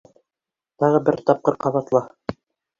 Тағы бер тапҡыр ҡабатла!